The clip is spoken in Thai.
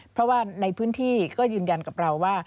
เพราะว่าในพื้นที่ก็ยืนยันกับเราว่า